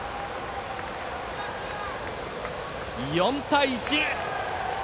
４対１。